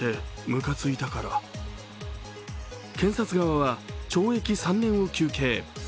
検察側は、懲役３年を求刑。